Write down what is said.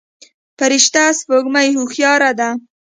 فرشته سپوږمۍ هوښياره ده.